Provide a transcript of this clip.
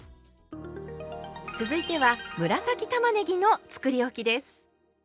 続いては紫たまねぎのつくりおきです。